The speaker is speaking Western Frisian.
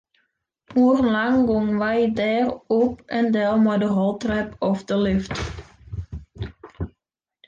Oerenlang gongen wy dêr op en del mei de roltrep of de lift.